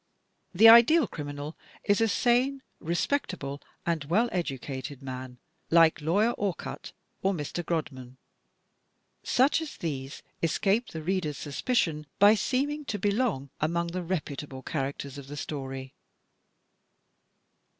The ideal criminal is a sane, respectable and well educated man, like Lawyer Orcutt, or Mr. Grodman. Such as these escape the reader's suspicion by seeming to belong among the reputable characters of the story.